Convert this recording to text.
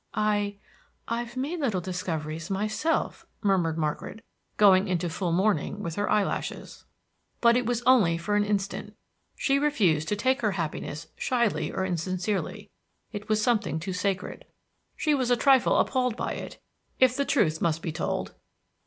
I I've made little discoveries myself," murmured Margaret, going into full mourning with her eyelashes. But it was only for an instant. She refused to take her happiness shyly or insincerely; it was something too sacred. She was a trifle appalled by it, if the truth must be told.